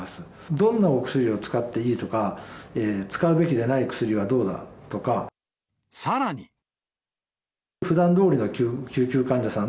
どんなお薬を使っていいとか、さらに。ふだんどおりの救急患者さん